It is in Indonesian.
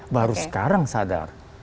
baru sekarang sadar